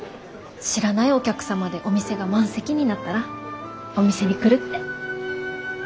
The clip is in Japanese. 知らないお客様でお店が満席になったらお店に来るって。